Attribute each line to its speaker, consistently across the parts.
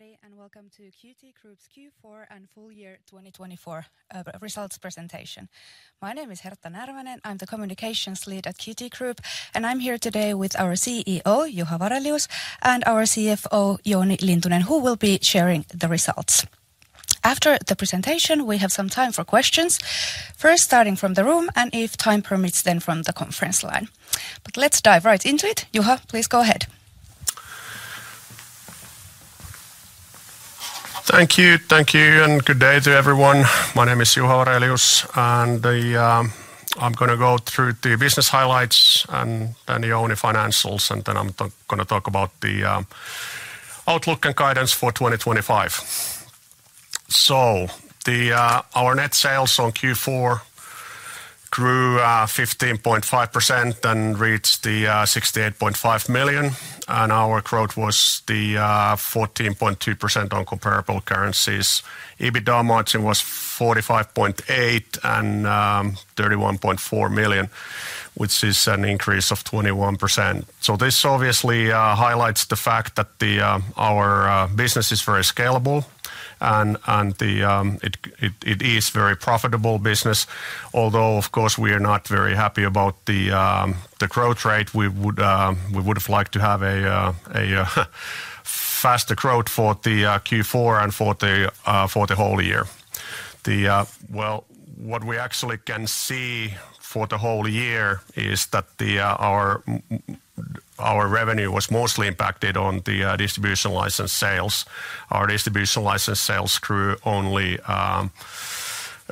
Speaker 1: Everybody, and welcome to Qt Group's Q4 and full year 2024 results presentation. My name is Hertta Närvänen. I'm the Communications Lead at Qt Group and I'm here today with our CEO Juha Varelius and our CFO Jouni Lintunen, who will be sharing the results. After the presentation, we have some time for questions first, starting from the room and if time permits, then from the conference line. But let's dive right into it. Juha, please go ahead.
Speaker 2: Thank you, thank you, and good day to everyone. My name is Juha Varelius and I'm going to go through the business highlights and then the only financials and then I'm going to talk about the outlook and guidance for 2025. Our net sales on Q4 grew 15.5% and reached 68.5 million. Our growth was the 14.2% on comparable currencies. EBITDA margin was 45.8% and 31.4 million, which is an increase of 21%. This obviously highlights the fact that our business is very scalable and. It is very profitable business. Although of course we are not very happy about the growth rate. We would have liked to have a faster growth for the Q4 and for the whole year. What we actually can see for the whole year is that. Our revenue was mostly impacted on the distribution license sales. Our distribution license sales grew only.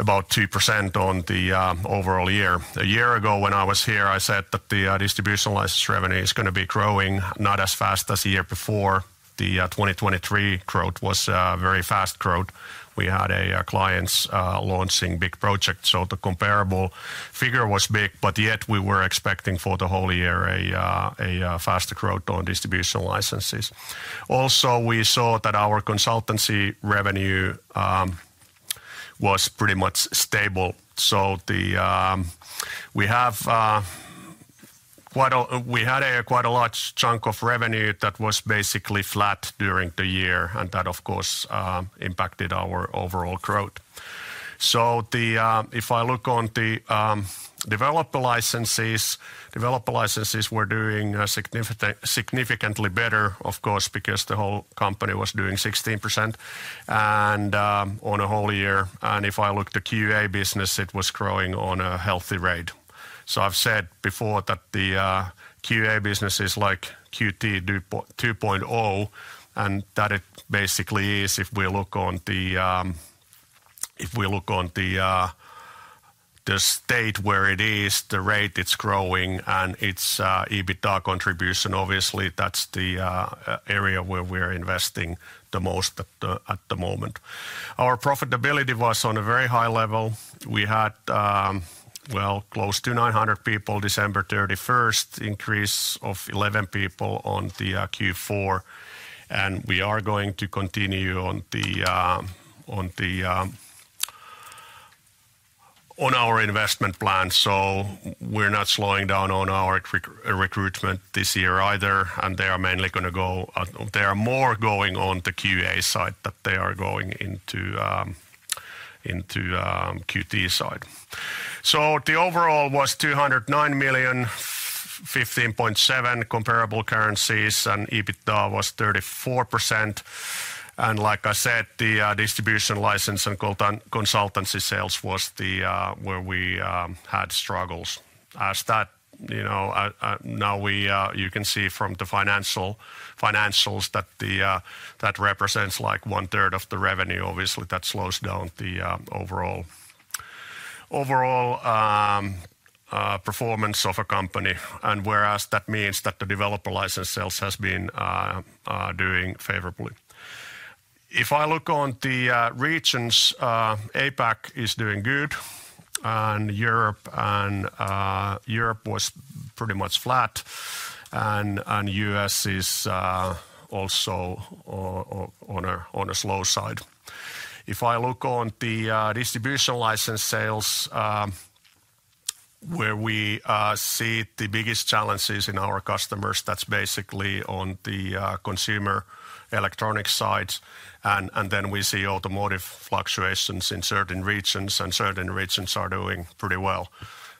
Speaker 2: About 2% on the overall year. A year ago when I was here, I said that the distribution license revenue is going to be growing not as fast as the year before. The 2023 growth was very fast growth. We had clients launching big projects, so the comparable figure was big. But yet we were expecting for the whole year a faster growth on distribution licenses. Also, we saw that our consultancy revenue. Was pretty much stable, so the. We had quite a large chunk of revenue that was basically flat during the year and that of course impacted our overall growth, so if I look on the developer licenses, developer licenses were doing significantly better, of course, because the whole company was doing 16%. On a whole year. And if I looked at QA business, it was growing on a healthy rate. So I've said before that the QA business is like Qt 2.0 and that it basically is. If we look on the. State where it is, the rate it's growing and its EBITDA contribution, obviously that's the area where we are investing the most at the moment. Our profitability was on a very high level. We had well close to 900 people. December 31st increase of 11 people on the Q4 and we are going to continue on the. On our investment plan. So we're not slowing down on our recruitment this year either. And they are mainly going to go. There are more going on the QA side that they are going into. Into Qt side. So the overall was 209 million, 15.7% comparable currencies, and EBITDA was 34%, and like I said, the distribution license and consultancy sales was the where we had struggles as that. You know, now we. You can see from the financials that that represents like one third of the revenue. Obviously that slows down the. Overall. Performance of a company and whereas that means that the developer license sales has been doing favorably. If I look on the regions, APAC is doing good and Europe was pretty much flat and US is also. On the slow side. If I look on the distribution license sales. Where we see the biggest challenges in our customers, that's basically on the consumer electronics side. Then we see automotive fluctuations in certain regions and certain regions are doing pretty well.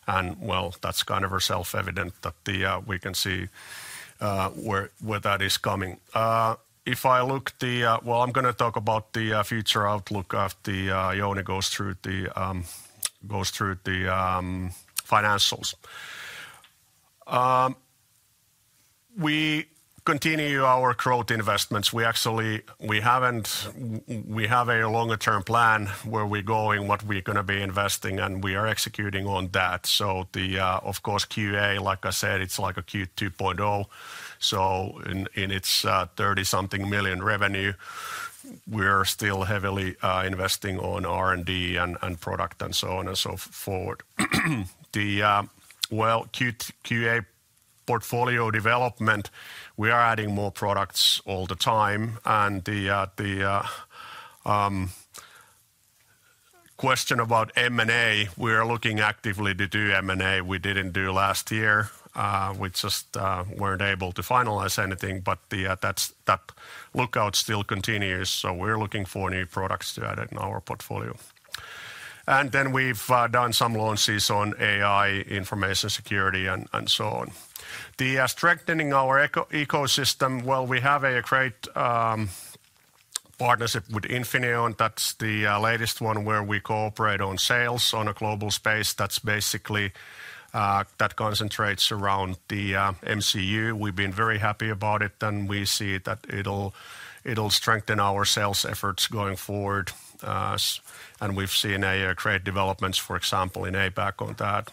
Speaker 2: That's kind of self-evident that we can see where that is coming. If I look ahead, well, I'm going to talk about the future outlook of the IoT and goes through the financials. We continue our growth investments. We actually haven't. We have a longer term plan where we're going, what we're going to be investing and we are executing on that. So, of course, QA like I said it's like a Qt 2.0. So in its 30-something million revenue we're still heavily investing on R&D and product and so on and so forth. Well, the QA portfolio development we are adding more products all the time and the. Question about M&A. We are looking actively to do M&A. We didn't do last year. We just weren't able to finalize anything. But that's that. Look out still continues. So we're looking for new products to add in our portfolio, and then we've done some launches on AI, information security, and so on, to strengthen our ecosystem. Well, we have a great. Partnership with Infineon. That's the latest one where we cooperate on sales on a global space that's basically that concentrates around the MCU. We've been very happy about it and we see that it'll strengthen our sales efforts going forward and we've seen great developments for example in APAC on that.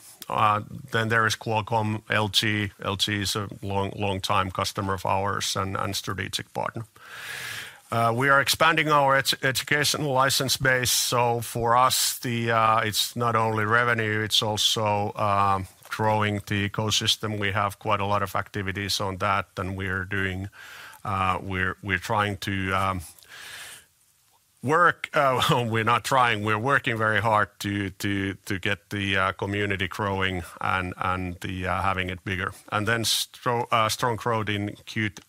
Speaker 2: Then there is Qualcomm, LG. LG is a long time customer of ours and strategic partner. We are expanding our educational license base. So for us it's not only revenue, it's also growing the ecosystem. We have quite a lot of activities on that and we are doing, we're trying to. Well, we're not trying, we're working very hard to get the community growing and having it bigger and then strong growth in Qt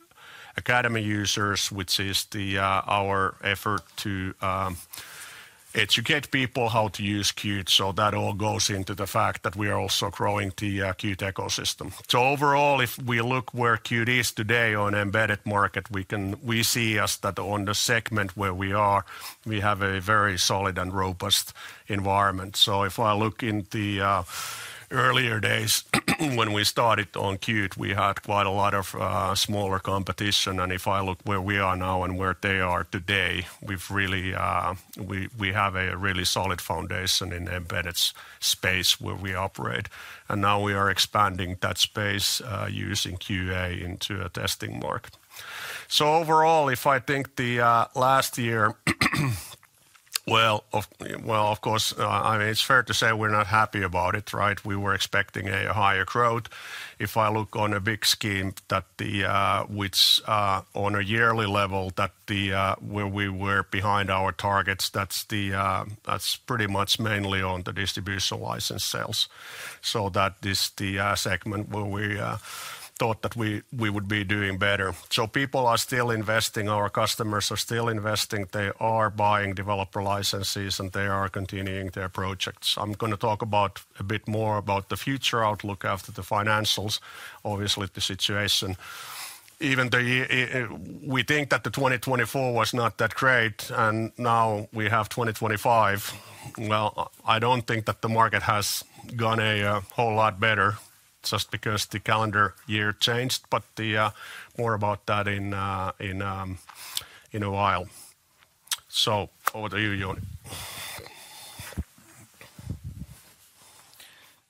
Speaker 2: Academy users, which is our effort to educate people how to use Qt. So that all goes into the fact that we are also growing the Qt ecosystem. So overall, if we look where Qt is today on embedded market, we see as that the segment where we are, we have a very solid and robust environment. So if I look in the earlier days when we started on Qt, we had quite a lot of smaller competition. And if I look where we are now and where they are today, we've really, we have a really solid foundation in embedded space where we operate and now we are expanding that space using QA into a testing market. So overall, if I think the last year. Well, of course, I mean, it's fair to say we're not happy about it. Right. We were expecting a higher growth. If I look at the big picture, which on a yearly level where we were behind our targets, that's pretty much mainly on the distribution license sales. So that is the segment where we thought that we would be doing better. So people are still investing. Our customers. Customers are still investing, they are buying developer licenses and they are continuing their projects. I'm going to talk a bit more about the future outlook after the financials. Obviously the situation, even though we think that 2024 was not that great and now we have 2025. Well, I don't think that the market has gone a whole lot better just because the calendar year changed, but more about that in a while. So over to you, Jouni.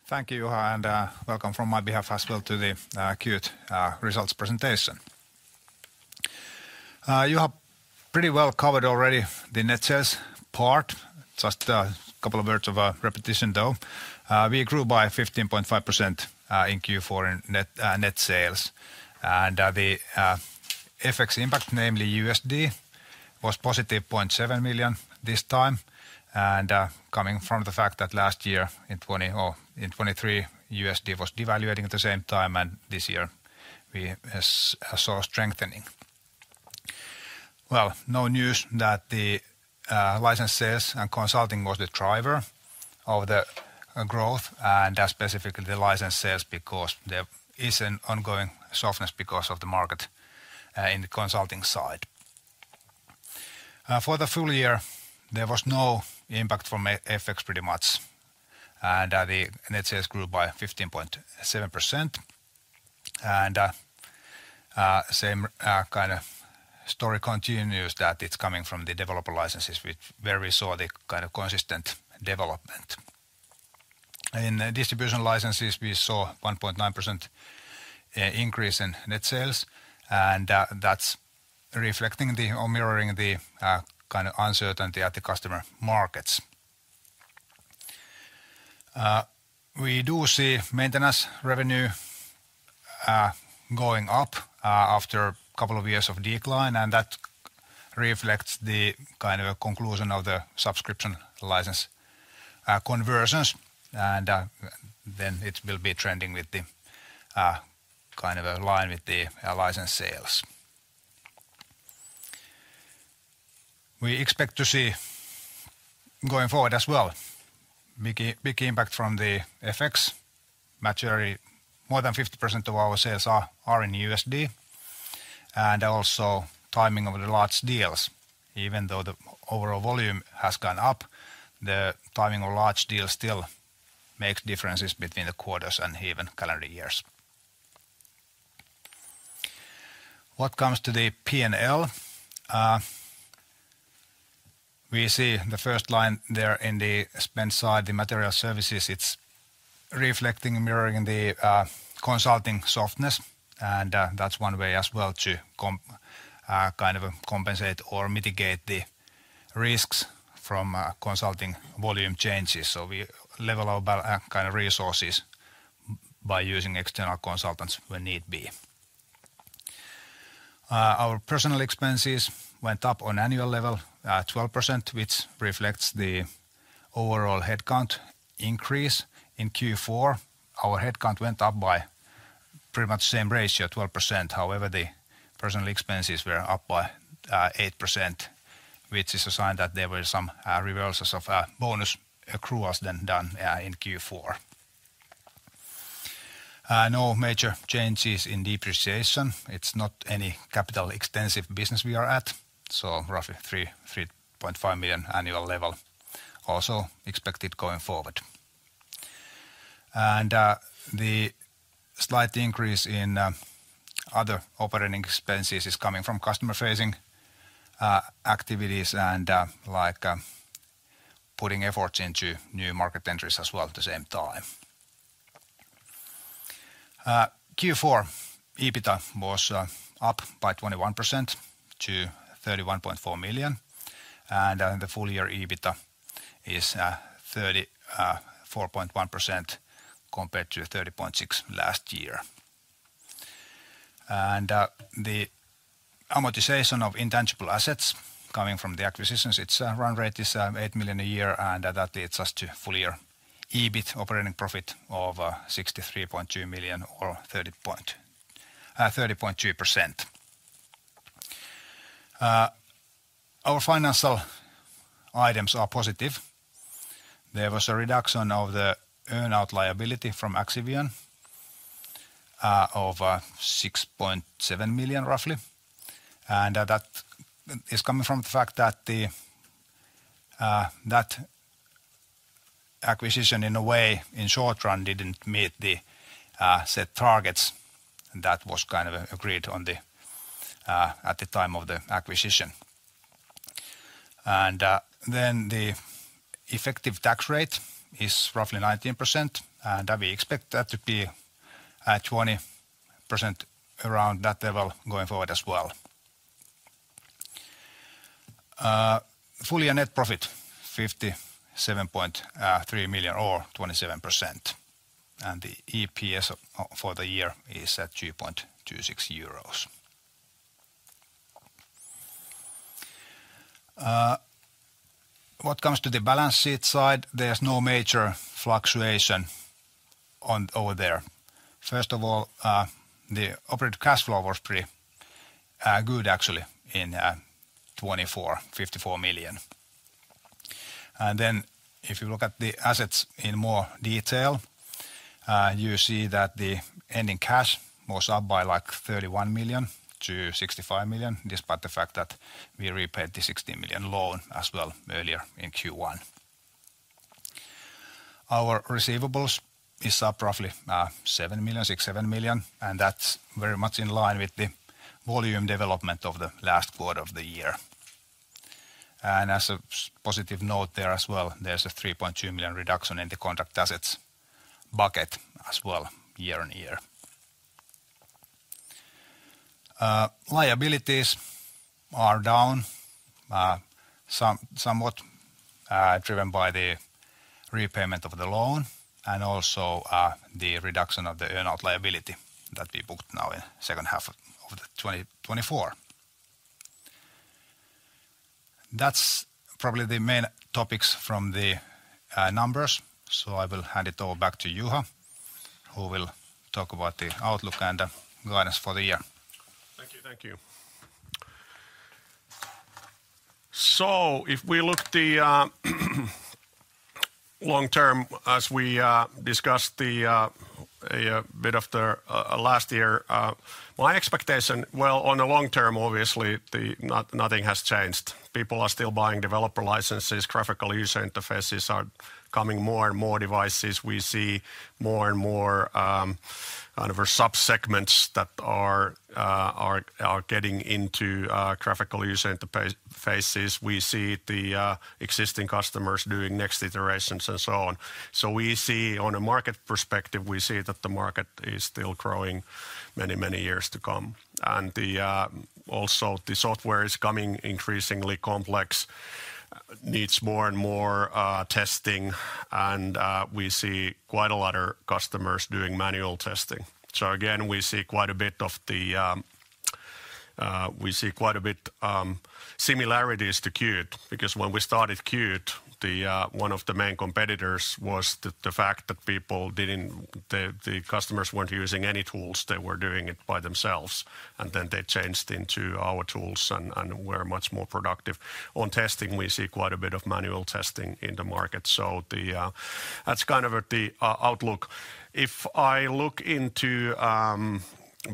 Speaker 3: Thank you and welcome from my behalf as well to the Qt results presentation. You have pretty well covered already. The net sales part. Just a couple of words of repetition though. We grew by 15.5% in Q4 in net sales and the FX impact, namely USD was +0.7 million this time, and coming from the fact that last year in 2023, USD was devaluing at the same time and this year we saw strengthening. Well, no news that the licenses and consulting was the driver of the growth and specifically the license sales because there is an ongoing softness because of the market in the consulting side. For the full year there was no impact from FX pretty much. And the NHS grew by 15.7% and same kind of story continues that it's coming from the developer licenses where we saw the kind of consistent development. In distribution licenses. We saw 1.9% increase in net sales. And that's reflecting or mirroring the kind of uncertainty at the customer markets. We do see maintenance revenue. Going up after a couple of years of decline. And that reflects the kind of a conclusion of the subscription license conversions. And then it will be trending with the kind of line with the license sales. We expect to see going forward as well. Big impact from the FX movements. More than 50% of our sales are in USD. And also timing of the large deals. Even though the overall volume has gone up, the timing of large deals still makes differences between the quarters and even calendar years. What comes to the P&L. We see the first line there in the spending side, the materials services. It's reflecting, mirroring the consulting softness, and that's one way as well to kind of compensate or mitigate the risks from consulting volume changes, so we level our kind of resources by using external consultants when need be. Our personnel expenses went up on an annual level 12%, which reflects the overall headcount increase. In Q4 our headcount went up by pretty much the same ratio 12%. However, the personnel expenses were up by 8%, which is a sign that there were some reversals of bonus accruals then done in Q4. No major changes in depreciation. It's not any capital-intensive business. We are at roughly 3 million-3.5 million annual level also expected going forward. And the slight increase in other operating expenses is coming from customer facing activities and like putting efforts into new market entries as well. At the same time. Q4 EBITDA was up by 21% to 31.4 million. And the full year EBITDA is 34.1% compared to 30.6% last year. The amortization of intangible assets coming from the acquisitions. Its run rate is 8 million a year. That leads us to full year EBIT operating profit of 63.2 million or 30.2%. Our financial items are positive. There was a reduction of the earnout liability from Axivion. Of 6.7 million roughly. And that is coming from the fact that. Acquisition in a way in short run didn't meet the set targets. That was kind of agreed on at the time of the acquisition. Then the effective tax rate is roughly 19% and we expect that to be at 20% around that level going forward, as well. Full year net profit 57.3 million or 27%. The EPS for the year is at 2.26 euros. What comes to the balance sheet side, there's no major fluctuation over there. First of all, the operating cash flow was pretty good actually in 2024, 54 million. Then if you look at the assets in more detail, you see that the ending cash was up by like 31 million to 65 million. Despite the fact that we repaid the 16 million loan as well earlier in Q1. Our receivables is up roughly 6 million-7 million, and that's very much in line with the volume development of the last quarter of the year. And as a positive note there as well, there's a 3.2 million reduction in the contract assets bucket as well, year-on-year. Liabilities are down. Somewhat, driven by the repayment of the loan and also the reduction of the earnout liability that we booked now in second half of 2024. That's probably the main topics from the numbers. So I will hand it over back to Juha who will talk about the outlook and guidance for the year.
Speaker 2: Thank you. Thank you. If we look the. Long term, as we discussed a bit after last year, my expectation, well, on the long term obviously nothing has changed. People are still buying developer licenses. Graphical user interfaces are coming more and more devices. We see more and more. Subsegments that are getting into graphical user interface phases. We see the existing customers doing next iterations and so on. So we see, on a market perspective, we see that the market is still growing many, many years to come and also the software is coming increasingly complex, needs more and more testing and we see quite a lot of customers doing manual testing. So again we see quite a bit of the. We see quite a bit similarities to Qt because when we started Qt, one of the main competitors was the fact that people didn't, the customers weren't using any tools. They were doing it by themselves and then they changed into our tools and were much more productive. On testing we see quite a bit of manual testing in the market. So that's kind of the outlook. If I look into a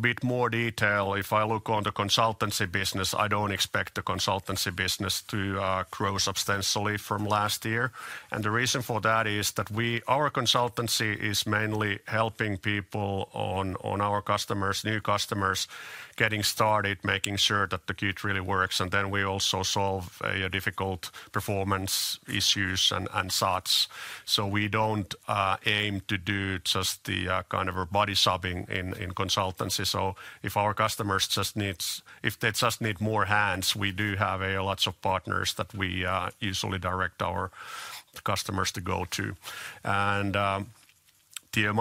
Speaker 2: bit more detail, if I look on the consultancy business, I don't expect the consultancy business to grow substantially from last year, and the reason for that is that our consultancy is mainly helping people on our customers, new customers getting started, making sure that the Qt really works and then we also solve difficult performance issues and such. So we don't aim to do just the kind of body shopping in consultancy. So if our customers just, if they just need more hands, we do have lots of partners that we usually direct our customers to go to. And the amount of consultancy people we have now, I think we can sufficiently say that we can supply that support that our product sales needs. So that's going to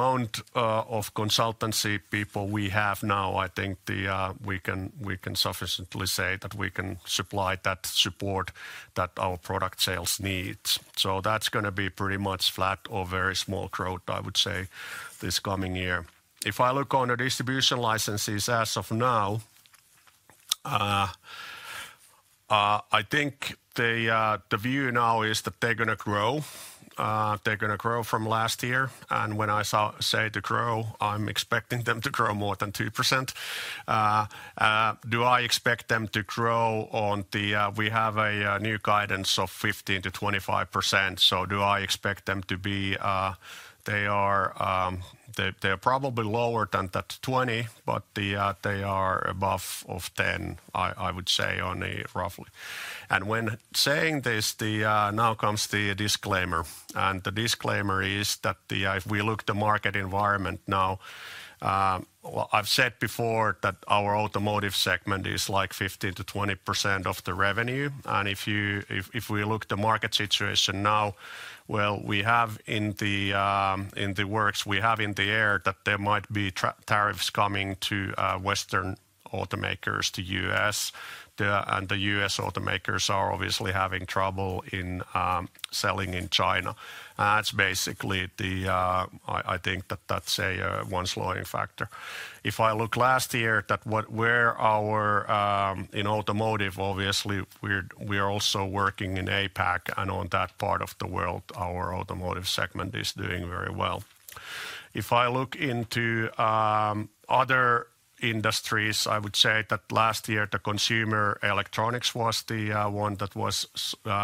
Speaker 2: be pretty much flat or very small growth. I would say this coming year. If I look on the distribution licenses as of now. I think the view now is that they're going to grow, they're going to grow from last year. And when I say to grow, I'm expecting them to grow more than 2%. Do I expect them to grow? We have a new guidance of 15%-25%. So do I expect them to be? They are probably lower than that 20%, but they are above 10% I would say roughly. When saying this now comes the disclaimer and the disclaimer is that if we look at the market environment now I've said before that our automotive segment is like 15%-20% of the revenue. And if we look at the market situation now, well, we have in the works, we have in the air that there might be tariffs coming to western automakers to us and the U.S. automakers are obviously having trouble in selling in China. That's basically the. I think that that's a once learning factor. If I look last year, that's where we're in automotive. Obviously we are also working in APAC and on that part of the world our automotive segment is doing very well. If I look into other industries, I would say that last year the consumer electronics was the one that was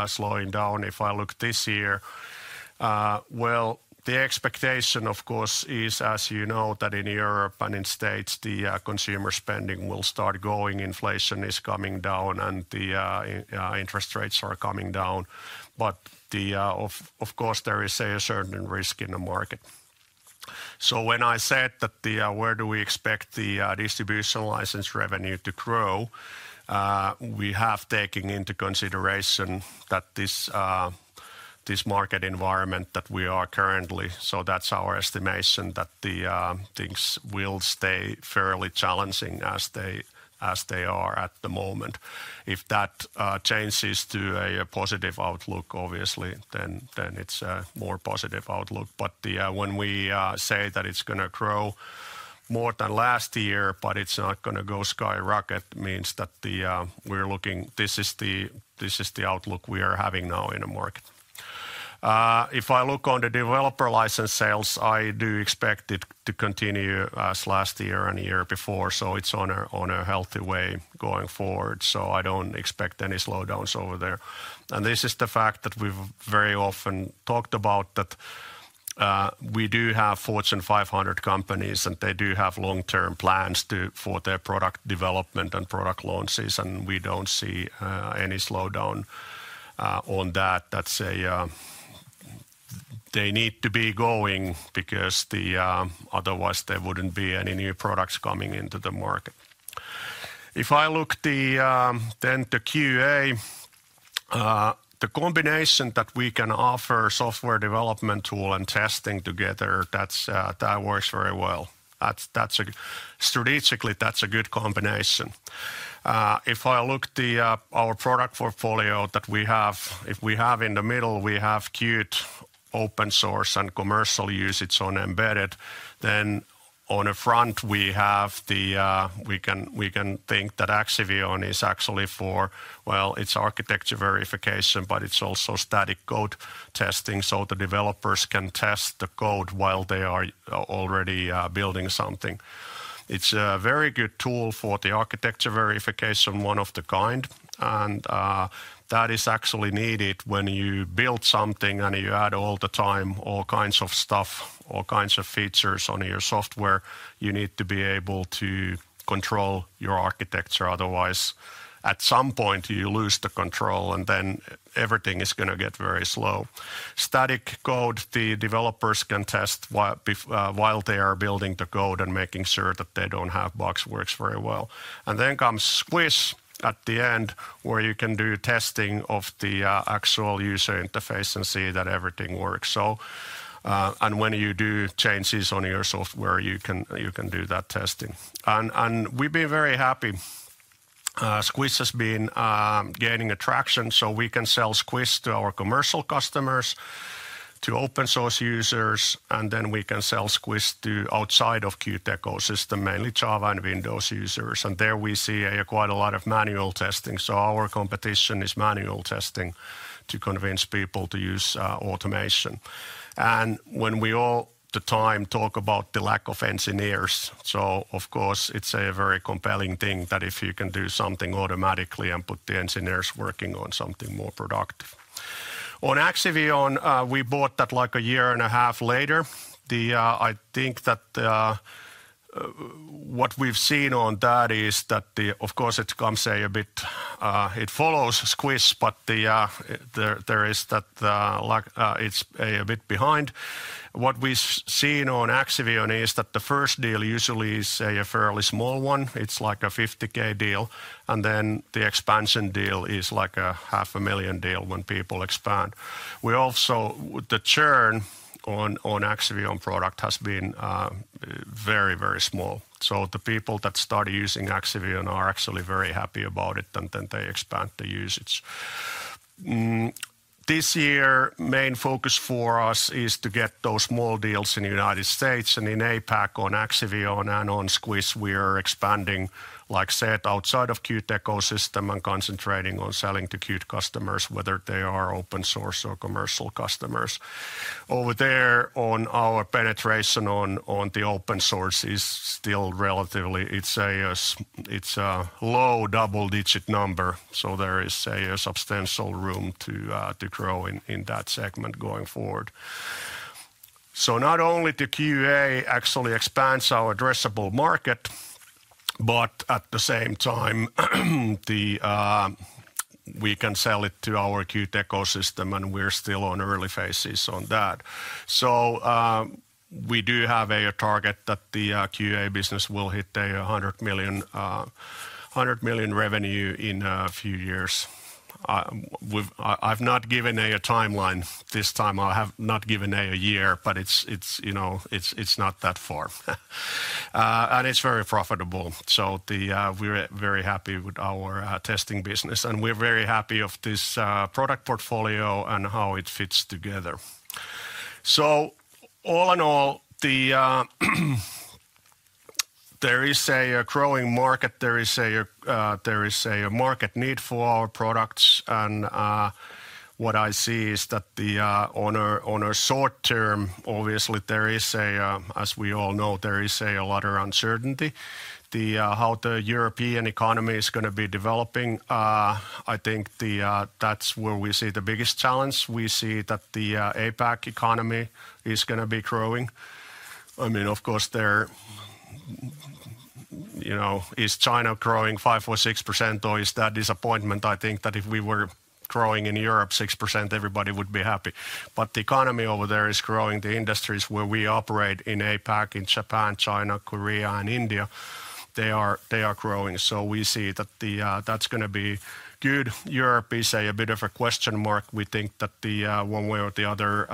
Speaker 2: slowing down. If I look this year, well, the expectation of course is as you know, that in Europe and in the States the consumer spending will start going, inflation is coming down and the interest rates are coming down. But of course there is a certain risk in the market. So when I said that where do we expect the distribution license revenue to grow, we have taken into consideration that this market environment that we are currently. That's our estimation that things will stay fairly challenging as they are at the moment. If that changes to a positive outlook, obviously, and it's a more positive outlook. But when we say that it's going to grow more than last year but it's not going to go skyrocket, that means that we're looking. This is the outlook we are having now in the market. If I look on the developer license sales, I do expect it to continue as last year and the year before. So it's on a healthy way going forward. So I don't expect any slowdowns over there. And this is the fact that we've very often talked about that. We do have Fortune 500 companies and they do have long-term plans for their product development and product launches and we don't see any slowdown on that. They need to be going because otherwise there wouldn't be any new products coming into the market. If I look then the QA. The combination that we can offer, software development tool and testing together, that works very well strategically. That's a good combination. If I look at our product portfolio that we have in the middle, we have Qt, open source and commercial usage on embedded. Then on the front we have the. We can think that Axivion is actually for well, it's architecture verification, but it's also static code testing so the developers can test the code while they are already building something. It's a very good tool for the architecture verification, one of a kind, and that is actually needed. When you build something and you add all the time, all kinds of stuff, all kinds of features on your software, you need to be able to control your architecture. Otherwise at some point you lose the control and then everything is going to get very slow static code. The developers can test while they are building the code and making sure that they don't have bugs. Works very well. Then comes Squish at the end where you can do testing of the actual user interface and see that everything works. When you do changes on your software, you can do that testing and we'd be very happy. Squish has been gaining traction. We can sell Squish to our commercial customers to open source users and then we can sell Squish to outside of Qt ecosystem, mainly Java and Windows users. There we see quite a lot of manual testing. Our competition is manual testing to convince people to use automation. When we all the time talk about the lack of engineers. So, of course, it's a very compelling thing that if you can do something automatically and put the engineers working on something more productive. On Axivion, we bought that like a year and a half later. I think that. What we've seen on that is that, of course, it comes a bit. It follows Squish, but there is that it's a bit behind. What we see on Axivion is that the first deal usually is a fairly small one. It's like a 50,000 deal and then the expansion deal is like a 500,000 deal. When people expand. We also. The churn on Axivion product has been very, very small. So the people that started using Axivion are actually very happy about it and then they expand the usage. This year, main focus for us is to get those small deals in the United States and in APAC. On Axivion and on Squish, we are expanding like said, outside of Qt ecosystem and concentrating on selling to Qt customers, whether they are open source or commercial customers over there. Our penetration on the open source is still relatively low; it's a low double-digit number. So there is a substantial room to grow in that segment going forward. So not only the QA actually expands our addressable market, but at the same time. We can sell it to our Qt ecosystem and we're still on early phases on that, so we do have a target that the QA business will hit. 100 million revenue in a few years. I've not given a timeline this time, I have not given a year. But it's, you know, it's not that far. And it's very profitable. So we're very happy with our testing business and we're very happy of this product portfolio and how it fits together. So all in all. There is a growing market, there is a market need for our products, and what I see is that on a short term, obviously there is, as we all know, there is a lot of uncertainty how the European economy is going to be developing. I think that's where we see the biggest challenge. We see that the APAC economy is going to be growing. I mean, of course there. You know, is China growing 5% or 6% or is that disappointment? I think that if we were growing in Europe 6%, everybody would be happy. But the economy over there is growing. The industries where we operate in APAC, in Japan, China, Korea, and India, they are growing. So we see that that's going to be good. Europe is a bit of a question mark. We think that the one way or the other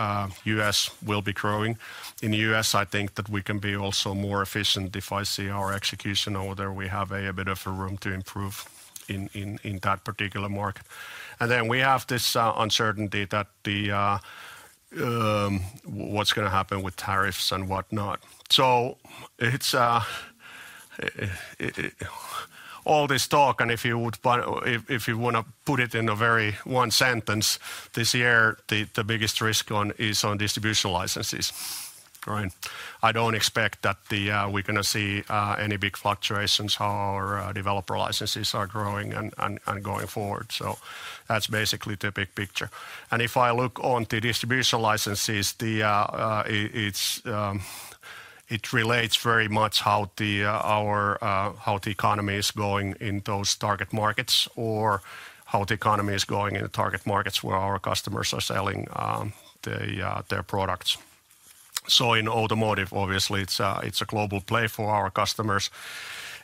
Speaker 2: U.S. will be growing in the U.S. I think that we can be also more efficient. If I see our execution order, we have a bit of room to improve in that particular market and then we have this uncertainty that. What's going to happen with tariffs and whatnot. So it's. All this talk, and if you want to put it in a very one sentence, this year the biggest risk is on distribution licenses. I don't expect that we're going to see any big fluctuations, how our developer licenses are growing and going forward. So that's basically the big picture, and if I look on the distribution licenses, it's. It relates very much how. The economy is going in those target markets or how the economy is going in the target markets where our customers are selling their products. In automotive, obviously it's a global play for our customers.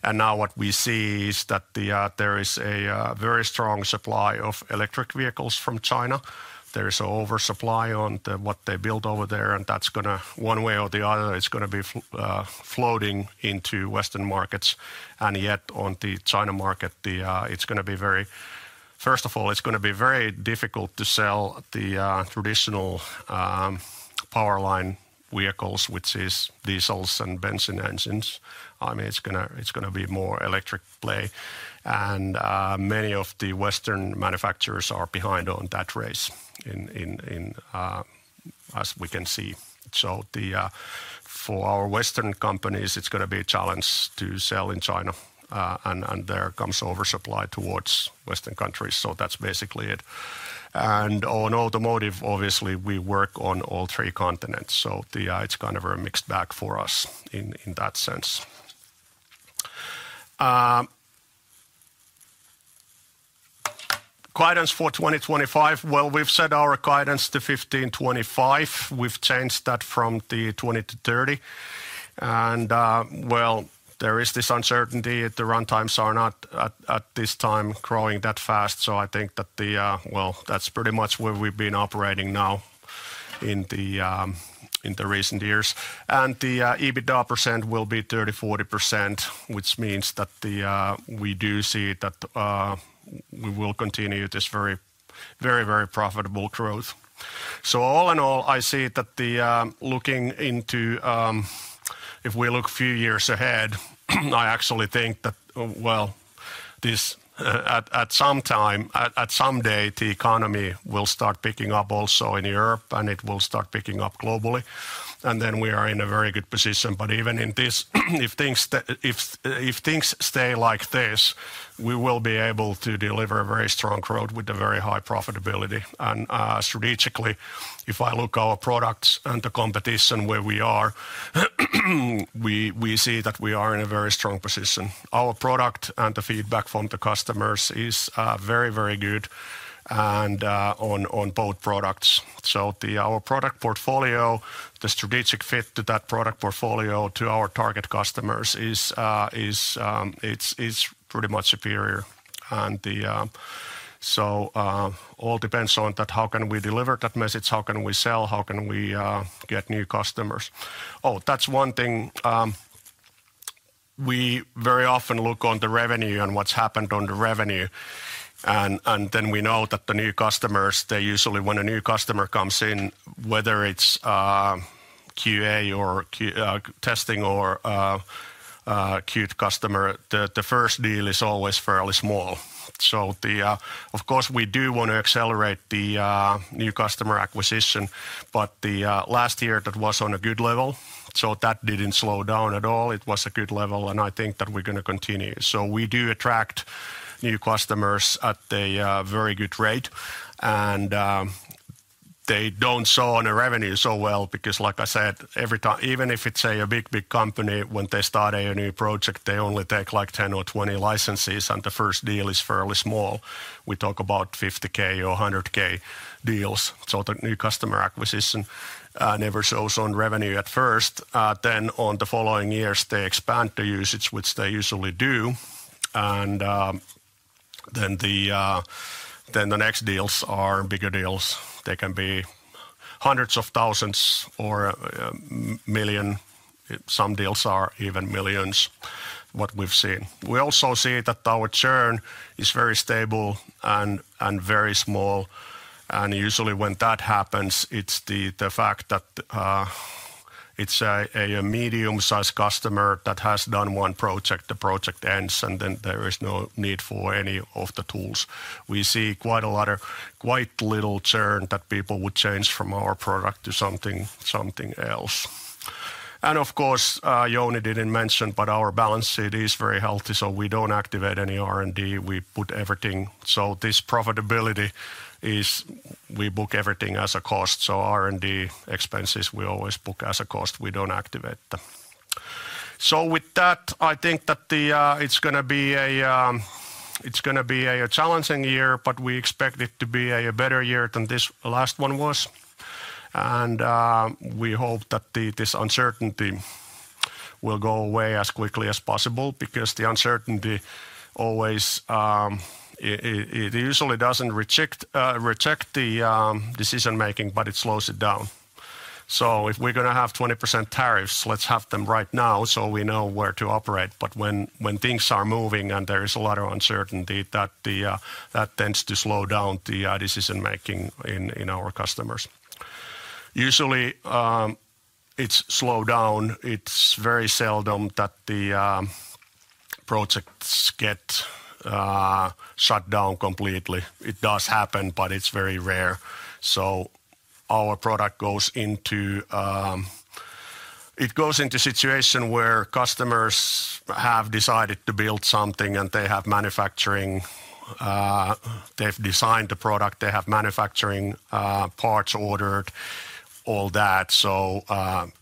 Speaker 2: And now what we see is that there is a very strong supply of electric vehicles from China. There is oversupply on what they build over there. And that's going to, one way or the other, it's going to be flowing into Western markets. And yet on the China market, first of all, it's going to be very difficult to sell the traditional powerline vehicles, which is diesels and benson engines. I mean, it's going to be more electric play. And many of the Western manufacturers are behind on that race. As we can see. So for our Western companies, it's going to be a challenge to sell in China and there comes oversupply towards Western countries. So that's basically it. And on automotive, obviously we work on all three continents. So it's kind of a mixed bag for us in that sense. Guidance for 2025, we've set our guidance to 1,525. We've changed that from the 2,000-3,000. There is this uncertainty. The run times are not at this time growing that fast. I think that is pretty much where we've been operating now. In the recent years. The EBITDA percent will be 30%-40%, which means that we do see that we will continue this very, very, very profitable growth. All in all, I see that looking into, if we look few years ahead, I actually think that, this, at some time, at some day, the economy will start picking up also in Europe and it will start picking up globally. We are in a very good position. Even in this. If things stay like this, we will be able to deliver a very strong growth with a very high profitability. Strategically, if I look our products and the competition where we are. We see that we are in a very strong position. Our product and the feedback from the customers is very, very good. On both products. So our product portfolio, the strategic fit to that product portfolio to our target customers. Is pretty much superior. So all depends on that. How can we deliver that message, how can we sell? How can we get new customers? Oh, that's one thing. We very often look at the revenue and what's happened to the revenue, and then we know that the new customers, they usually, when a new customer comes in, whether it's QA or testing or Qt customer, the first deal is always fairly small. So of course we do want to accelerate the new customer acquisition. But last year that was on a good level. So that didn't slow down at all. It was a good level and I think that we're going to continue. So we do attract new customers at a very good rate. And they don't show on the revenue so well, because like I said, every time, even if it's a big, big company, when they start a new project they only take like 10 or 20 licenses. And the first deal is fairly small. We talk 50,000 or 100,000 deals. So the new customer acquisition never shows on revenue at first. Then on the following years they expand the usage, which they usually do. And then the next deals are bigger deals. They can be hundreds of thousands or million. Some deals are even millions. What we've seen, we also see that our churn is very stable and very small. And usually when that happens, it's the fact that it's a medium-sized customer that has done one project. The project ends and then there is no need for any of the tools. We see quite a lot of quite little churn that people would change from our product to something else. And of course Jouni didn't mention, but our balance sheet is very healthy. So we don't activate any R&D; we put everything. So this profitability is. We book everything as a cost. R&D expenses we always book as a cost. We don't activate. With that I think that. It's going to be a challenging year, but we expect it to be a better year than this last one was. We hope that this uncertainty will go away as quickly as possible because the uncertainty always. It usually does not reject the decision making but it slows it down. If we are going to have 20% tariffs, let us have them right now so we know where to operate. When things are moving and there is a lot of uncertainty, that tends to slow down the decision making in our customers. Usually it is slow down. It is very seldom that the projects get shut down completely. It does happen, but it is very rare. Our product goes into. It goes into situation where customers have decided to build something and they have manufacturing. They've designed the product, they have manufacturing parts ordered, all that. So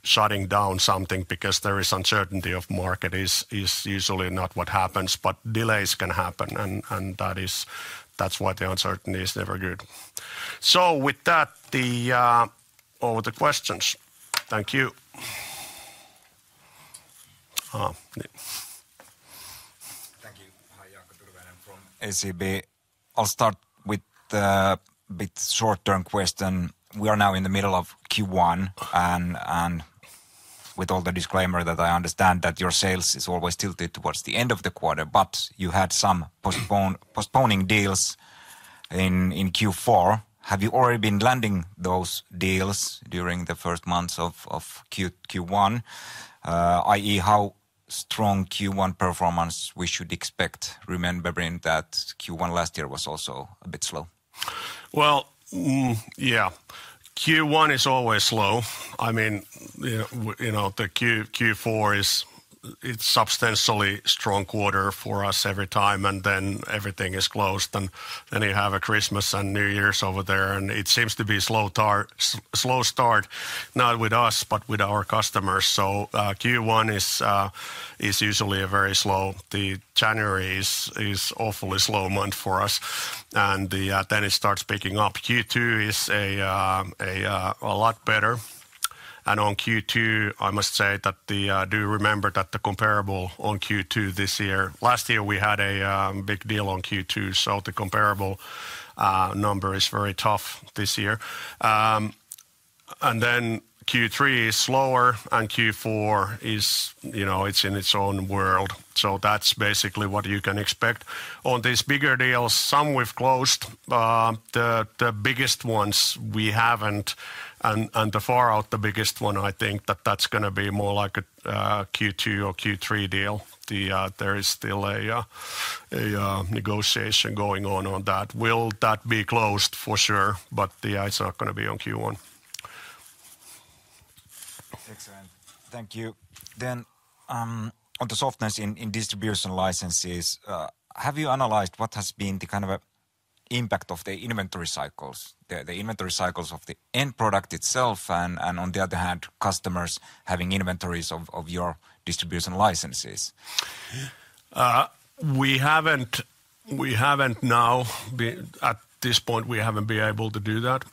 Speaker 2: shutting down something because there is uncertainty of market is usually not what happens, but delays can happen. And that's why the uncertainty is never good. So with that over the questions, thank you.
Speaker 4: Thank you. Hi, Jaakko Tyrväinen from SEB. I'll start with short term question. We are now in the middle of Q1 and with all the disclaimer that I understand that your sales is always tilted towards the end of the quarter but you had some postponing deals in Q4. Have you already been landing those deals during the first months of Q1? That is how strong Q1 performance we should expect. Remembering that Q1 last year was also a bit slow.
Speaker 2: Well yeah, Q1 is always slow. I mean, you know the Q4 is. It's substantially strong quarter for us every time and then everything is closed and then you have a Christmas and New Year's over there and it seems to be slow start, not with us but with our customers. So Q1 is usually a very slow. Then January is awfully slow month for us and then it starts picking up. Q2 is a lot better. And on Q2 I must say that I do remember that the comparable on Q2 this year. Last year we had a big deal on Q2 so the comparable number is very tough this year. Q3 is slower and Q4 is, you know, it's in its own world. That's basically what you can expect on these bigger deals. Some we've closed, the biggest ones we haven't and the far out the biggest one, I think that that's going to be more like a Q2 or Q3 deal. There is still a negotiation going on on that, will that be closed for sure, but it's not going to be on Q1.
Speaker 4: Excellent. Thank you. On the softness in distribution licenses, have you analyzed what has been the kind of impact of the inventory cycles, the inventory cycles of the end product itself and on the other hand customers having inventories of your distribution licenses?
Speaker 2: We haven't now at this point we haven't been able to do that.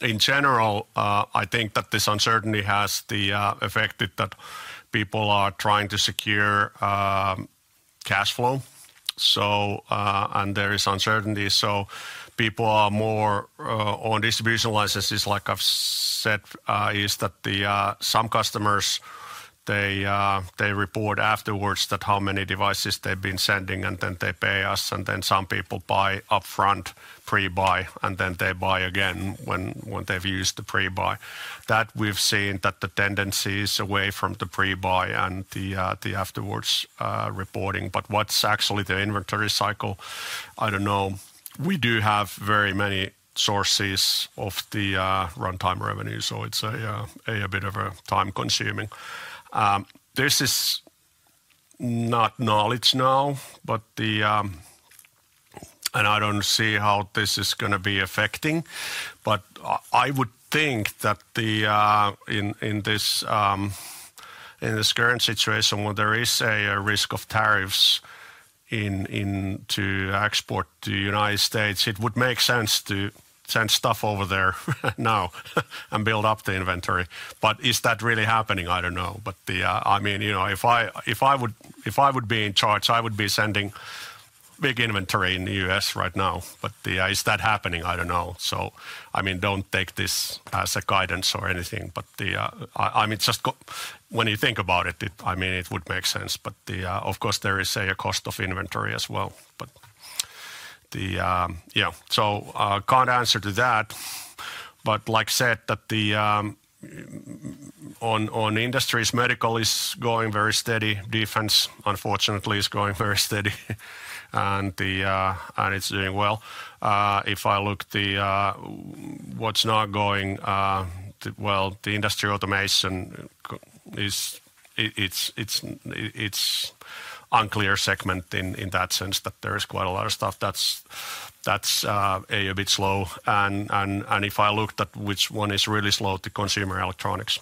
Speaker 2: In general I think that this uncertainty has the effect that people are trying to secure cash flow and there is uncertainty. People are more on distribution licenses like I've said is that some customers. They report afterwards that how many devices they've been sending and then they pay us and then some people buy us upfront, pre-buy, and then they buy again when they've used the pre-buy. We've seen that the tendency is away from the pre-buy and the afterwards reporting. What's actually the inventory cycle? I don't know. We do have very many sources of the runtime revenue, so it's a bit of a time consuming. This is not knowledge now, but the. I do not see how this is going to be affecting, but I would think that in this current situation where there is a risk of tariffs to export to the United States, it would make sense to send stuff over there now and build up the inventory. Is that really happening? I do not know. I mean, you know, if I would be in charge, I would be sending big inventory in the U.S. right now. Is that happening? I do not know. Do not take this as a guidance or anything, but just when you think about it, it would make sense. Of course, there is a cost of inventory as well. I cannot answer to that, but like said, that the. On industries, medical is going very steady. Defense unfortunately is going very steady and it's doing well. If I look, what's not going well is the industry automation. It's unclear segment in that sense that there is quite a lot of stuff that's a bit slow and if I looked at which one is really slow to consumer electronics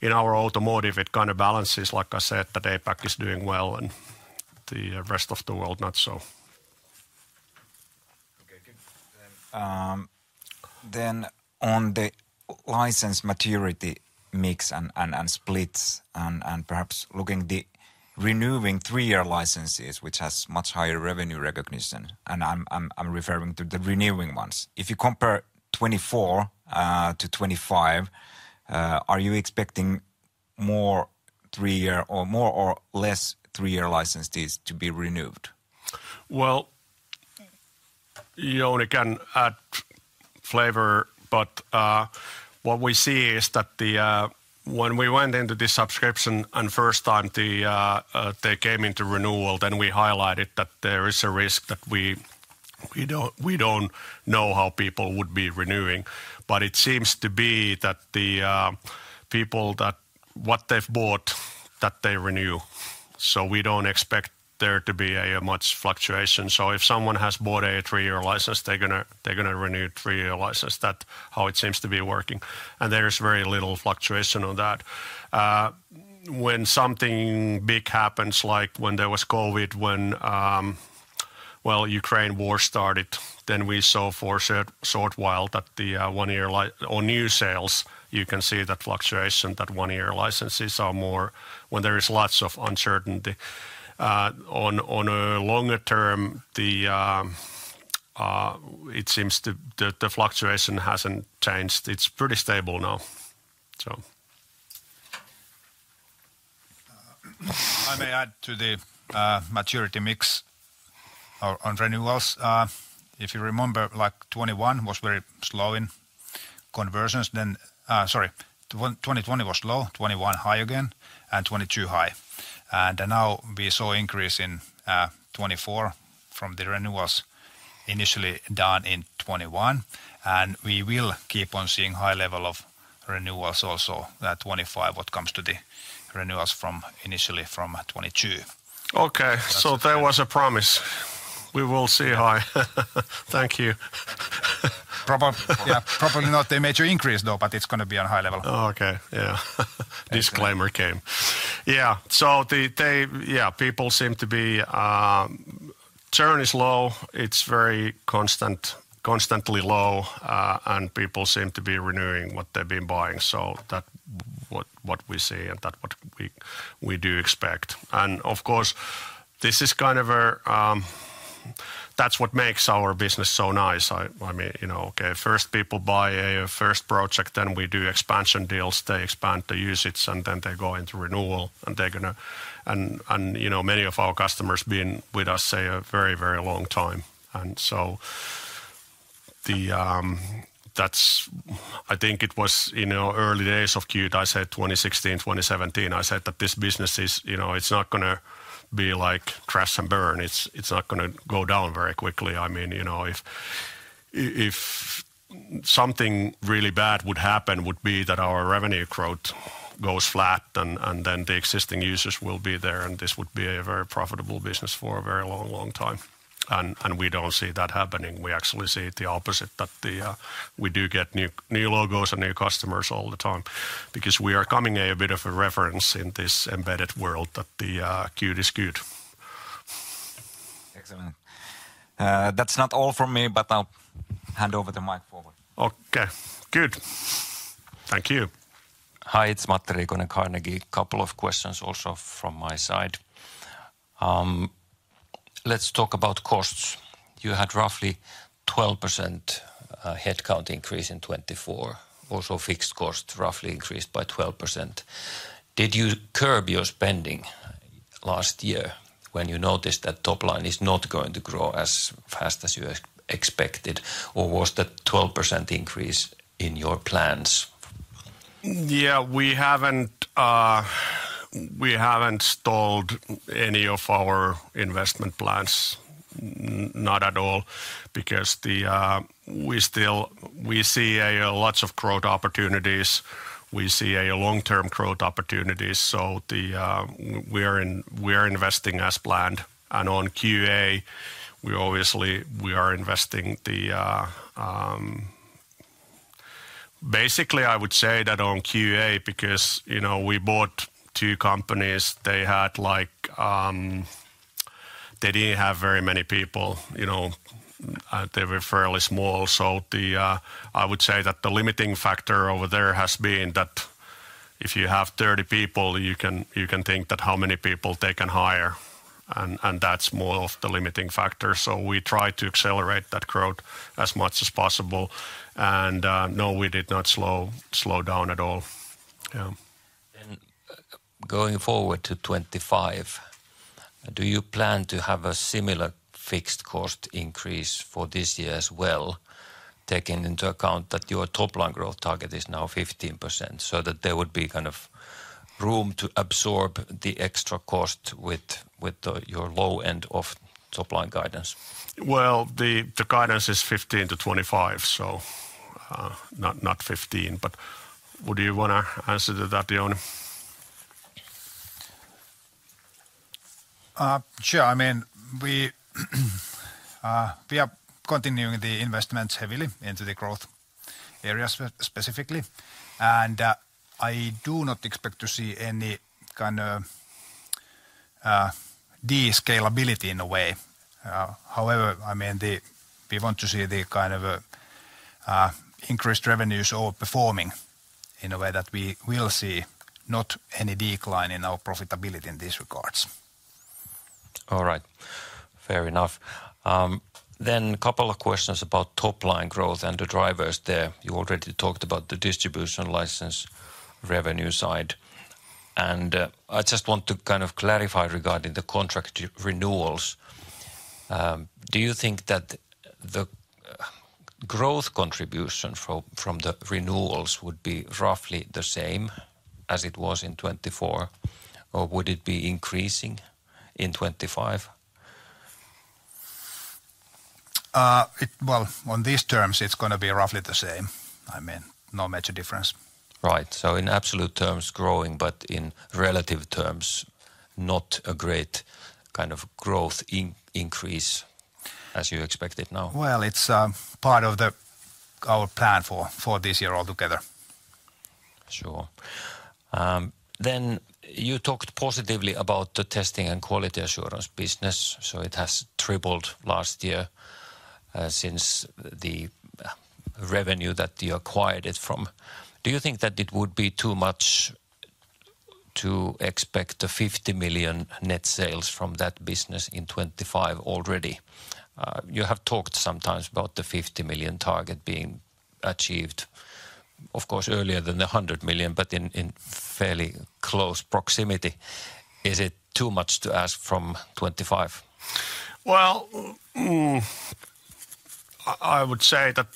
Speaker 2: in our automotive it kind of balances like I said that APAC is doing well and the rest of the world not so.
Speaker 4: On the license maturity mix and splits and perhaps looking at the renewing three year licenses, which has much higher revenue recognition, and I'm referring to the renewing ones. If you compare 2024 to 2025, are you expecting more three year or more or less three year licensees to be renewed?
Speaker 2: Well. You only can add flavor. What we see is that when we went into the subscription and first time they came into renewal, we highlighted that there is a risk that we do not know how people would be renewing, but it seems to be that the people that what they have bought, they renew. We do not expect there to be much fluctuation. If someone has bought a three year license, they are going to renew a three year license. That is how it seems to be working. There is very little fluctuation on that. When something big happens, like when there was COVID, when Ukraine war started, we saw for a short while that the one year on new sales, you can see that fluctuation, that one year licenses are more when there is lots of uncertainty on a longer term. It seems that the fluctuation hasn't changed. It's pretty stable now.
Speaker 3: I may add to the maturity mix on renewals. If you remember, like 2021 was very slow in conversions, then sorry, 2020 was low, 2021 high again, and 2022 high, and now we saw increase in 2024 from the renewals initially done in 2021. We will keep on seeing high level of renewals. Also that 2025, what comes to the renewals from initially from 2022.
Speaker 2: Okay. There was a promise. We will see. Hi. Thank you.
Speaker 3: Probably not a major increase though, but it's going to be on high level.
Speaker 2: Okay. Yeah. Disclaimer came. Yeah. People seem to be churn is low. It's very constantly low and people seem to be renewing what they've been buying. That what we see and that what we do expect. Of course this is kind of a, that's what makes our business so nice. I mean, you know, okay, first people buy first project, then we do expansion deals. They expand the usage and then they go into renewal and they're gonna, and, and you know, many of our customers been with us say a very, very long time. That's, I think it was, you know, early days of Qt. I said 2016, 2017. I said that this business is, you know, it's not gonna be like crash and burn. It's. It's not gonna go down very quickly. I mean, you know, if something really bad would happen would be that our revenue growth goes flat and then the existing users will be there and this would be a very profitable business for a very long, long time. We do not see that happening. We actually see it the opposite that we do get new logos and new customers all the time because we are becoming a bit of a reference in this embedded world that the Qt is good.
Speaker 4: Excellent. That's not all from me, but I'll hand over the mic forward.
Speaker 2: Okay, good, thank you.
Speaker 5: Hi, it's Matti Riikonen at Carnegie. Couple of questions also from my side. Let's talk about costs. You had roughly 12% headcount increase in 2024. Also fixed cost roughly increased by 12%. Did you curb your spending last year when you noticed that top line is not going to grow as fast as you expected or was that 12% increase in your plans?
Speaker 2: Yeah. We haven't stalled any of our investment plans. Not at all. Because. We see lots of growth opportunities. We see long term growth opportunities. We are investing as planned and on QA we obviously are investing the. Basically I would say that on QA because you know we bought two companies. They had like. They didn't have very many people. You know, they were fairly small. I would say that the limiting factor over there has been that if you have 30 people, you can think that how many people they can hire and that's more of the limiting factor. We tried to accelerate that growth as much as possible and no, we did not slow down at all.
Speaker 5: Going forward to 2025, do you plan to have a similar fixed cost increase for this year as well, taking into account that your top line growth target is now 15%, so that there would be kind of room to absorb the extra cost with your low end of top line guidance?
Speaker 2: The guidance is 15%-25%, so not 15%. Would you want to answer to that, Jouni?
Speaker 3: Sure. I mean, and. We are continuing the investments heavily into the growth areas specifically. I do not expect to see any kind of. Descalability in a way, however, I mean we want to see the kind of increased revenues over performing in a way that we will see not any decline in our profitability in these regards.
Speaker 5: All right, fair enough. Then a couple of questions about top line growth and the drivers there. You already talked about the distribution license revenue side and I just want to kind of clarify regarding the contract renewals. Do you think that the growth contribution from the renewals would be roughly the same as it was in 2024 or would it be increasing in 2025?
Speaker 3: On these terms it's going to be roughly the same. I mean, no major difference.
Speaker 5: Right. So in absolute terms growing, but in relative terms, not a great kind of growth increase as you expect it now?
Speaker 3: It's part of our plan for this year altogether.
Speaker 5: Sure. You talked positively about the testing and quality assurance business. It has tripled last year since the revenue that you acquired it from. Do you think that it would be too much to expect 50 million net sales from that business in 2025 already? You have talked sometimes about the 50 million target being achieved, of course earlier than the 100 million, but in fairly close proximity. Is it too much to ask from 2025?
Speaker 2: Well. I would say that.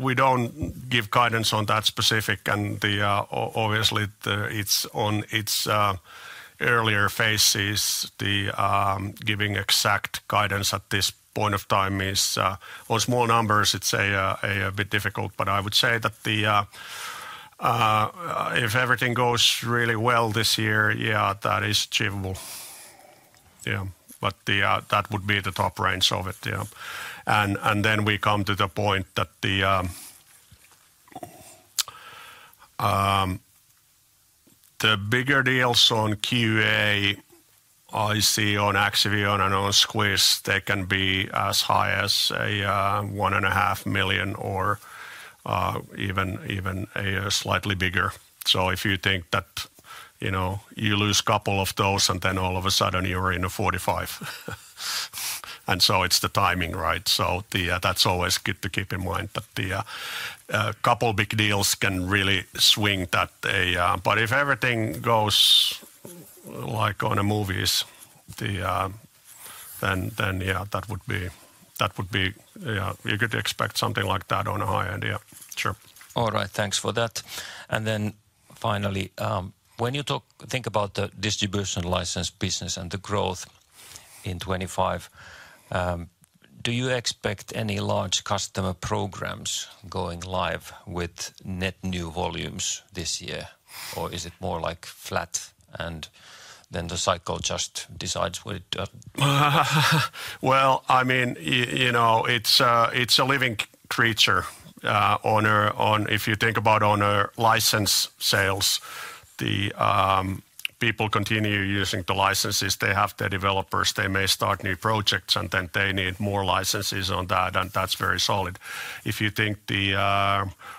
Speaker 2: We do not give guidance on that specific and obviously it is in its earlier phases. Giving exact guidance at this point of time is on small numbers. It is a bit difficult. I would say that. If everything goes really well this year, yeah, that is achievable. Yeah, that would be the top range of it. Then we come to the point that the. The bigger deals on QA I see on Axivion and on Squish, they can be as high as 1.5 million or even slightly bigger. If you think that you lose a couple of those and then all of a sudden you're in a 45 million. It's the timing. Right. That's always good to keep in mind that the couple big deals can really swing. If everything goes like on a movies. Yeah, that would be. You could expect something like that on a high end. Yeah, sure.
Speaker 5: All right, thanks for that. Finally, when you think about the distribution license business and the growth in 2025, do you expect any large customer programs going live with net new volumes this year or is it more like flat and then the cycle just decides what it does?
Speaker 2: I mean, you know, it's a living creature. If you think about owner license sales, the people continue using the licenses they have, the developers, they may start new projects and then they need more licenses on that. That's very solid. If you think the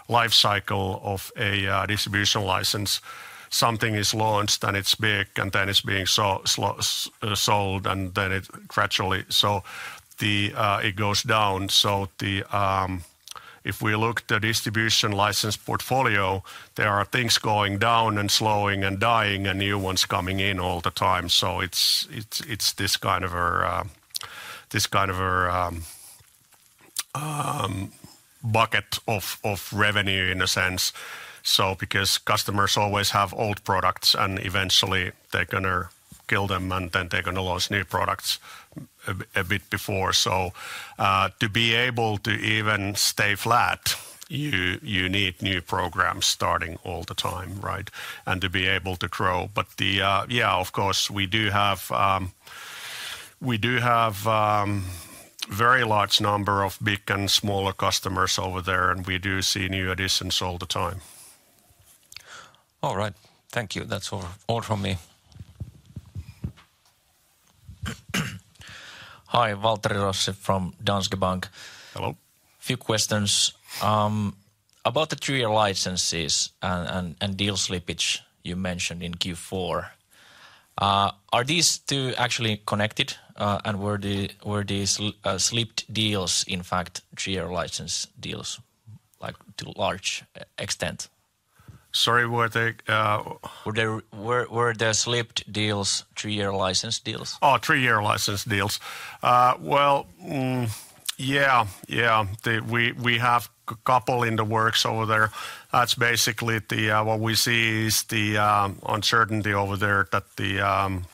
Speaker 2: life cycle of a distribution license, something is launched and it's big and then it's being sold and then it gradually goes down. If we look at the distribution license portfolio, there are things going down and slowing and dying and new ones coming in all the time. It's. This kind of a. Bucket of revenue in a sense. Because customers always have old products and eventually they're gonna kill them and then they're gonna launch new products a bit before. To be able to even stay flat, you need new programs starting all the time. Right. To be able to grow. Yeah, of course we do have. We do have. Very large number of big and smaller customers over there and we do see new additions all the time.
Speaker 5: All right, thank you, that's all from me.
Speaker 6: Hi, Waltteri Rossi from Danske Bank.
Speaker 2: Hello.
Speaker 6: Few questions about the three year licenses and deal slippage you mentioned in Q4. Are these two actually connected and were these slipped deals in fact three year license deals like to a large extent.
Speaker 2: Sorry, were they...
Speaker 6: Were the slipped deals three year license deals?
Speaker 2: Oh, three year license deals. Yeah, yeah, we have a couple in the works over there. That's basically what we see is the uncertainty over there that.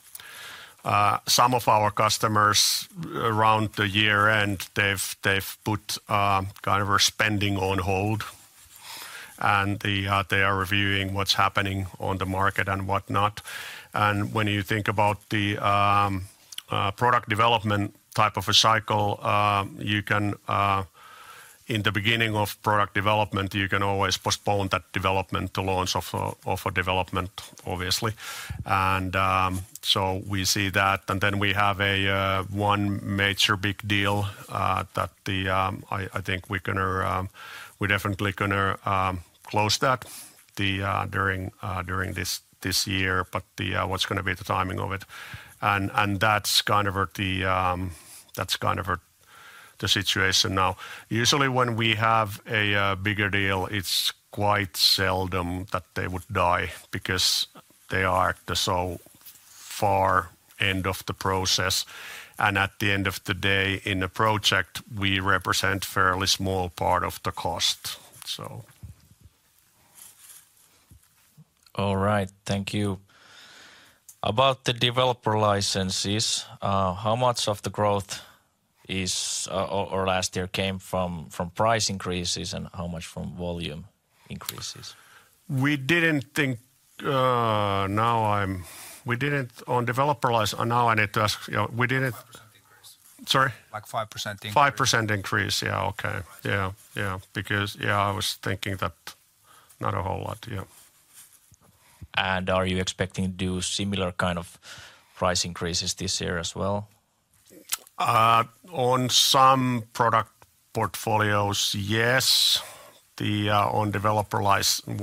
Speaker 2: Some of our customers around the year end, they've put kind of spending on hold and they are reviewing what's happening on the market and whatnot. When you think about the product development type of a cycle, you can, in the beginning of product development you can always postpone that development to launch of a development obviously. We see that and then we have a one major big deal that I think we can. We're definitely going to close that. During this year. What's going to be the timing of it and that's kind of. The situation now. Usually when we have a bigger deal, it's quite seldom that they would die because they are so far end of the process. At the end of the day in a project, we represent fairly small part of the cost.
Speaker 6: All right, thank you. About the developer licenses, how much of the growth? Or last year came from price increases and how much from volume increases?
Speaker 2: We didn't think. Now I'm. We didn't. On developer. Now I need to ask, you know, we didn't...
Speaker 3: 5% increase.
Speaker 2: Sorry?
Speaker 3: Like 5% increase.
Speaker 2: 5% increase. Yeah. Okay. Yeah, yeah. Because. Yeah, I was thinking that not a whole lot. Yeah.
Speaker 6: Are you expecting to do similar kind of price increases this year as well?
Speaker 2: On some products portfolios? Yes, the. On developer license.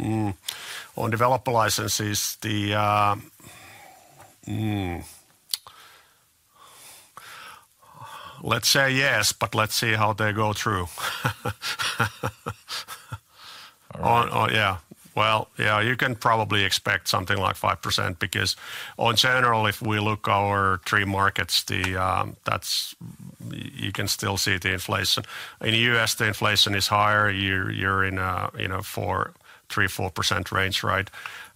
Speaker 2: On developer licenses, the. Let's say yes, but let's see how they go through. Oh yeah, yeah, you can probably expect something like 5% because on general. If we look our three markets, that's, you can still see the inflation in the U.S. The inflation is higher. You're in 3%-4% range. Right?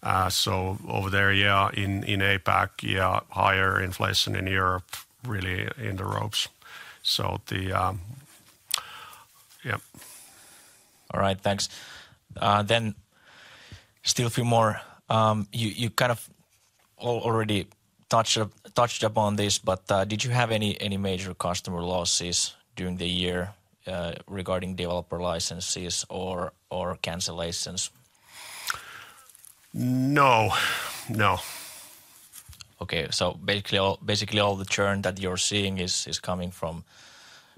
Speaker 2: Over there, yeah. In APAC, yeah. Higher inflation in Europe, really in the ropes. Yep.
Speaker 6: All right, thanks then still a few more. You kind of already touched upon this, but did you have any major customer losses during the year regarding developer licenses or cancellations?
Speaker 2: No. No.
Speaker 6: Okay. Basically all the churn that you're seeing is coming from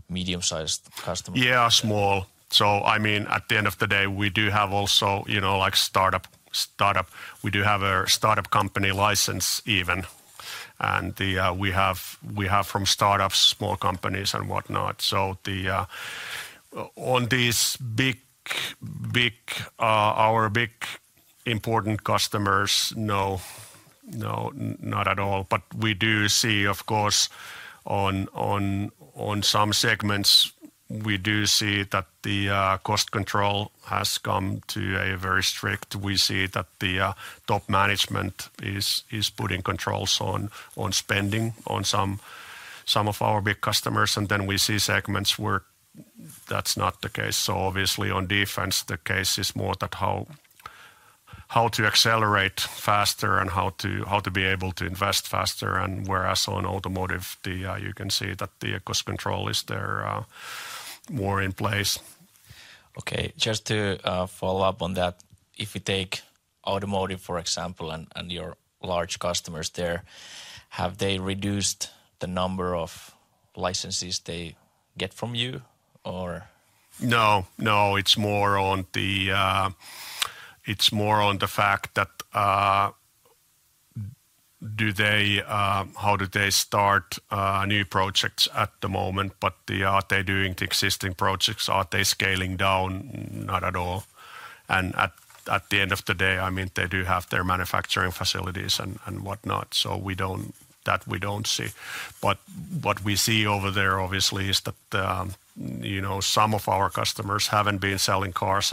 Speaker 6: medium sized customers.
Speaker 2: Yeah, small. I mean at the end of the day we do have also, you know, like startup. Startup. We do have a startup company license even and we have from startups, small companies and whatnot. On these big. Big. Our big important customers, no, no, not at all. We do see, of course, on some segments we do see that the cost control has come to a very strict. We see that the top management is putting controls on spending on some of our big customers and then we see segments where that's not the case. Obviously on defense the case is more that how to accelerate faster and how to be able to invest faster, whereas on automotive you can see that the cost control is there more in place.
Speaker 6: Okay, just to follow up on that, if you take Automotive for example, and your large customers there, have they reduced the number of licenses they get from you or?
Speaker 2: No, no, it's more on the. It's more on the fact that. Do they. How do they start new projects at the moment. Are they doing the existing projects? Are they scaling down? Not at all. At the end of the day I mean they do have their manufacturing facilities and whatnot. That we don't see. What we see over there obviously is that some of our customers haven't been selling cars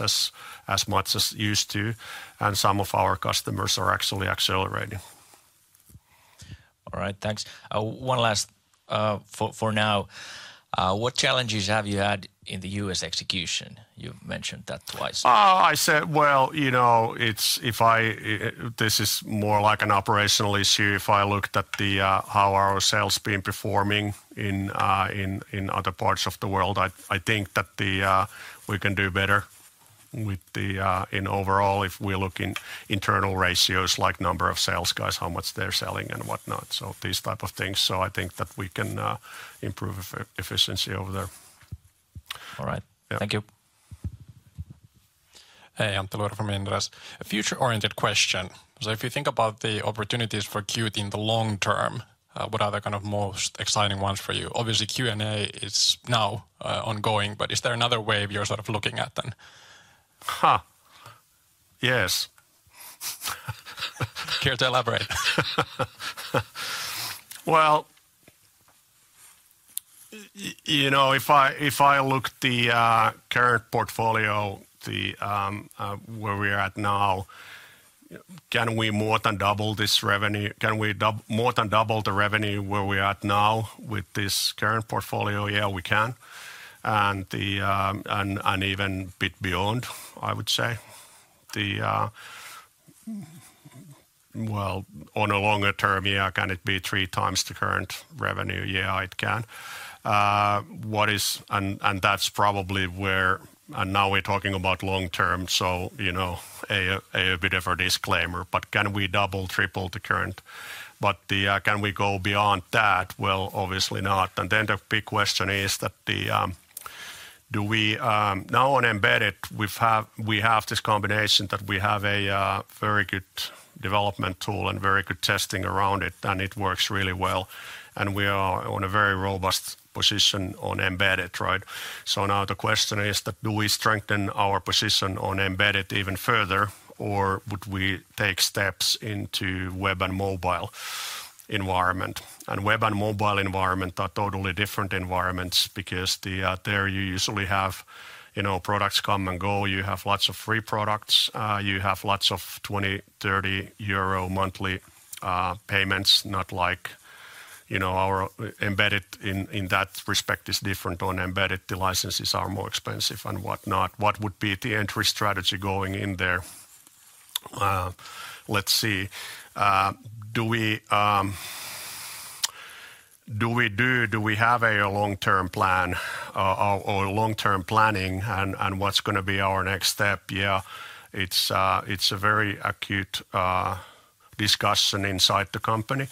Speaker 2: as much as used to and some of our customers are actually accelerating.
Speaker 6: All right, thanks. One last for now, what challenges have you had in the U.S. execution? You mentioned that twice.
Speaker 2: I said, well, you know. This is more like an operational issue. If I looked at how our sales been performing in other parts of the world, I think that we can do better. In overall if we look in internal ratios like number of sales guys, how much they're selling and whatnot. These type of things. I think that we can improve efficiency over there.
Speaker 6: All right, thank you.
Speaker 7: Hey, Antti Luiro from Inderes. A future oriented question. If you think about the opportunities for Qt in the long term, what are the kind of most exciting ones for you? Obviously QA is now ongoing, but is there another wave you're sort of looking at then?
Speaker 2: Huh. Yes.
Speaker 7: Care to elaborate?
Speaker 2: Well. You know, if I look at the current portfolio. Where we are at now, can we more than double this revenue? Can we more than double the revenue where we are now with this current portfolio? Yeah, we can. Even a bit beyond, I would say the. On a longer term, yeah. Can it be three times the current revenue? Yeah, it can. What is. That is probably where. Now we are talking about long term. You know, a bit of a disclaimer. Can we double, triple the current? Can we go beyond that? Obviously not. The big question is that, do we now on embedded, we have this combination that we have a very good development tool and very good testing around it and it works really well. We are in a very robust position on embedded. Right? Now the question is that do we strengthen our position on embedded even further or would we take steps into web and mobile environment? Web and mobile environments are totally different environments because there you usually have, you know, products come and go, you have lots of free products, you have lots of 20 euro, 30 euro monthly payments. Not like, you know, our embedded in that respect is different. On embedded the licenses are more expensive and whatnot. What would be the entry strategy going in there? Let's see. Do we have a long term plan or long term planning and what's going to be our next step? Yeah, it's a very acute discussion inside the company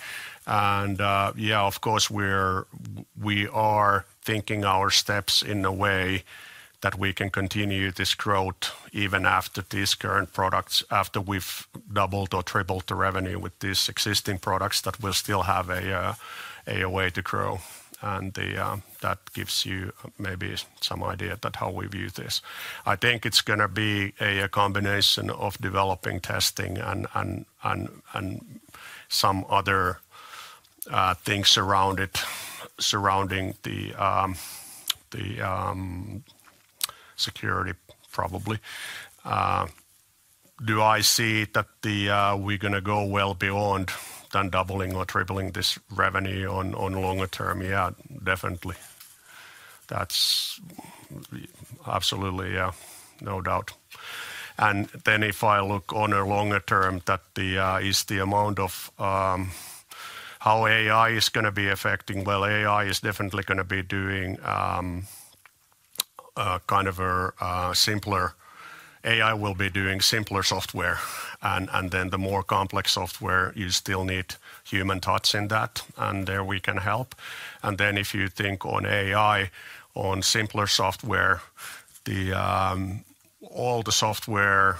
Speaker 2: and yeah, of course we are thinking our steps in a way that we can continue this growth even after these current products, after we've doubled or tripled the revenue with these existing products, that we'll still have a way to grow. And that gives you maybe some idea that how we view this, I think it's going to be a combination of developing, testing and some other things around it surrounding the. Security probably. Do I see that we're going to go well beyond than doubling or tripling this revenue on longer term? Yeah, definitely. That's absolutely no doubt. And then if I look on a longer term, that is the amount of how AI is going to be affecting. Well, AI is definitely going to be doing. Kind of simpler AI will be doing simpler software and then the more complex software, you still need human touch in that and there we can help. And then if you think on AI on simpler software, all the software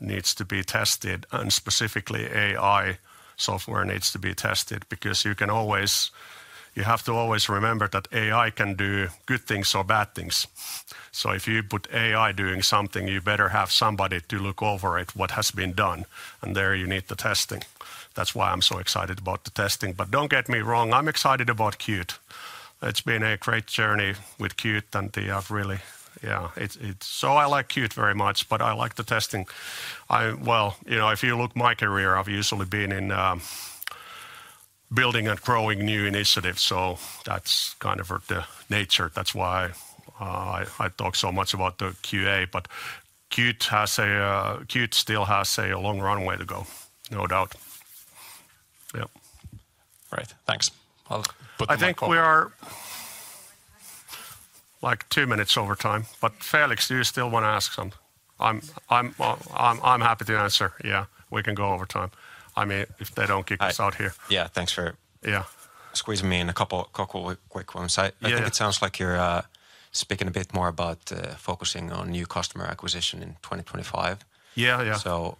Speaker 2: needs to be tested and specifically AI software needs to be tested because you can always, you have to always remember that AI can do good things or bad things. So if you put AI doing something, you better have somebody to look over it, what has been done. And there you need the testing. That's why I'm so excited about the testing. But don't get me wrong, I'm excited about Qt. It's been a great journey with Qt and really. Yeah. So I like Qt very much, but I like the testing. You know, if you look at my career, I've usually been in. Building and growing new initiatives, so that's kind of the nature. That's why I talk so much about the QA. But. Qt still has a long runway to go. No doubt. Yeah.
Speaker 7: Right, thanks.
Speaker 2: I think we are. Like two minutes over time, but Felix, do you still want to ask something? I'm happy to answer. Yeah, yeah, we can go over time. I mean, if they don't kick us out here. Yeah.
Speaker 8: Thanks for squeezing me in a couple quick ones. I think it sounds like you're speaking a bit more about focusing on new customer acquisition in 2025.
Speaker 2: Yeah, yeah.
Speaker 8: So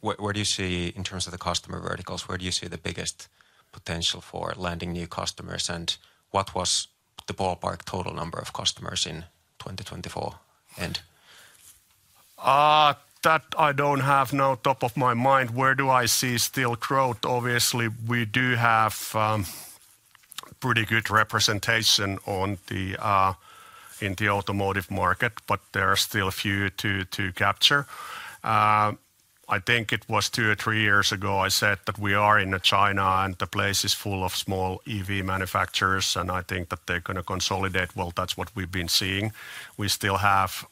Speaker 8: where do you see in terms of the customer verticals? Where do you see the biggest potential for landing new customers? And what was the ballpark total number of customers in 2024 and.
Speaker 2: That I don't have now, top of my mind, where do I see steel growth? Obviously we do have. Pretty good representation. In the automotive market, but there are still a few to capture. I think it was two or three years ago I said that we are in China and the place is full of small EV manufacturers and I think that they're going to consolidate. That's what we've been seeing. We still have,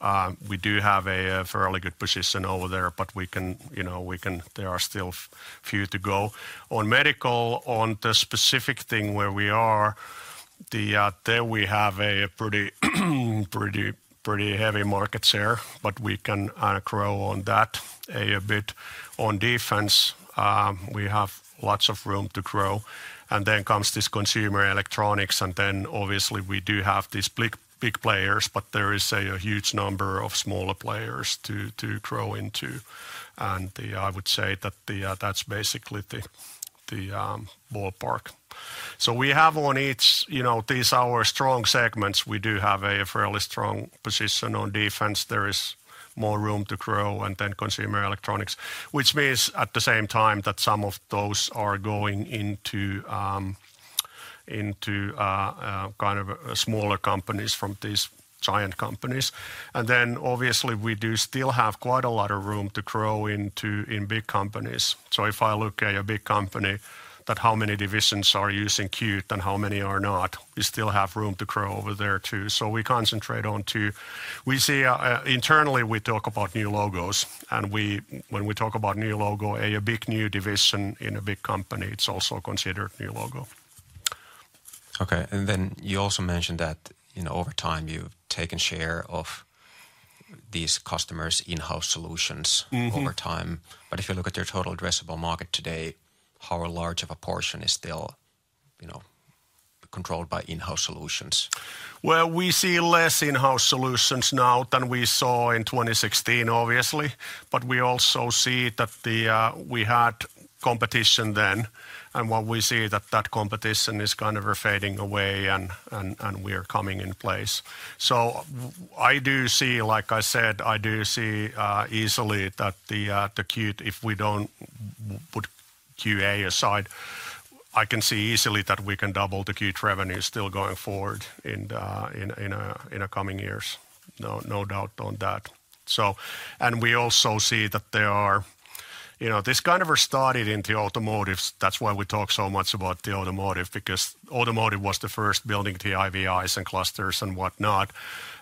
Speaker 2: we do have a fairly good position over there, but we can, you know, there are still few to go in medical. On the specific thing where we are there, we have a pretty, pretty heavy market share, but we can grow on that a bit. On defense, we have lots of room to grow. Then comes this consumer electronics. Then obviously we do have these big players, but there is a huge number of smaller players to grow into. I would say that that's basically the ballpark. We have on each, you know, these, our strong segments, we do have a fairly strong position. On defense, there is more room to grow and then consumer electronics, which means at the same time that some of those are going into. Kind of smaller companies from these giant companies, and then obviously we do still have quite a lot of room to grow into in big companies. So if I look a big company that how many divisions are using Qt and how many are not? We still have room to grow over there too, so we concentrate on two. We see internally we talk about new logos and we when we talk about new logo, a big, new division in a big company, it's also considered new logo.
Speaker 8: Okay. And then you also mentioned that you know, over time you've taken share of these customers' in-house solutions over time. But if you look at their total addressable market today, how large of a portion is still. Controlled by in-house solutions?
Speaker 2: We see less in-house solutions now than we saw in 2016, obviously. We also see that we had competition then. What we see that competition is kind of fading away and we are coming in place. I do see, like I said, I do see easily that the Qt, if we don't put QA aside, I can see easily that we can double the Qt revenue still going forward. In the coming years. No doubt on that. And we also see that they are this kind of started in the automotive. That's why we talk so much about the automotive, because automotive was the first building the IVIS and clusters and whatnot.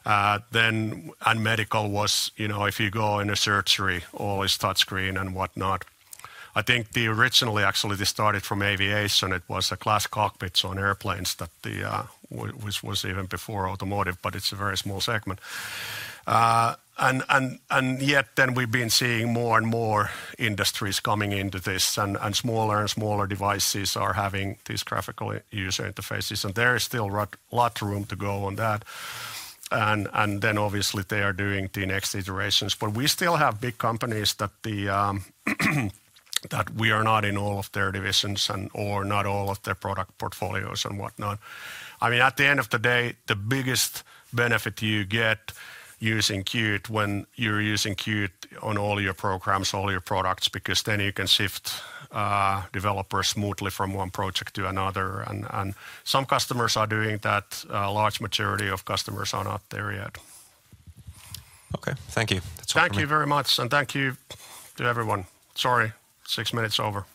Speaker 2: And medical, because if you go in a surgery all is touchscreen and whatnot. I think originally actually this started from aviation. It was glass cockpits on airplanes, which was even before automotive. But it's a very small segment. Yet then we've been seeing more and more industries coming into this and smaller and smaller devices are having these graphical user interfaces and there is still a lot of room to go on that. Then obviously they are doing the next iterations but we still have big companies. That we are not in all of their divisions or not all of their product portfolios and whatnot. I mean, at the end of the day, the biggest benefit you get using Qt when you're using Qt on all your programs, all your products, because then you can shift developers smoothly from one project to another. And some customers are doing that. A large majority of customers are not there yet.
Speaker 8: Okay, thank you.
Speaker 2: Thank you very much. And thank you to everyone. Sorry, six minutes over.